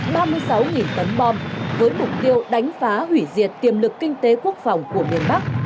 trong một mươi hai ngày mỹ đã thả hơn ba mươi sáu tấn bom với mục tiêu đánh phá hủy diệt tiềm lực kinh tế quốc phòng của miền bắc